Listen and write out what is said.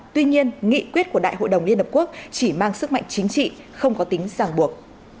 tuy nhiên nghị quyết của đại hội đồng liên hợp quốc chỉ mang sức mạnh chính trị không có tính giảng buộc